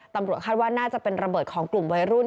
ตำรวจคาดว่าน่าจะเป็นระเบิดของกลุ่มวัยรุ่น